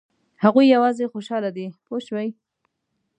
هغوی یوازې خوشاله دي پوه شوې!.